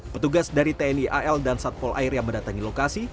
petugas dari tni al dan satpol air yang mendatangi lokasi